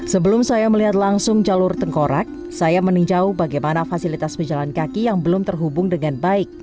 sebelum saya melihat langsung jalur tengkorak saya meninjau bagaimana fasilitas pejalan kaki yang belum terhubung dengan baik